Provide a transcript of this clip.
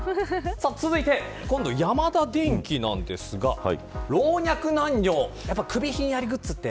続いてこちらヤマダデンキなんですが老若男女首ひんやりグッズって。